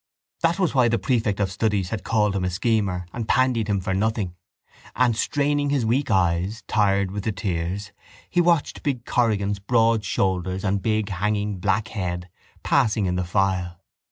That was why the prefect of studies had called him a schemer and pandied him for nothing: and, straining his weak eyes, tired with the tears, he watched big Corrigan's broad shoulders and big hanging black head passing in the file.